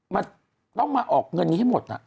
มันต้องมาออกเงินนี้ให้หมด